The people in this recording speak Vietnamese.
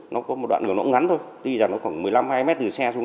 nó có một đoạn đường nó cũng ngắn thôi tuy là nó khoảng một mươi năm hai mươi m từ xe xuống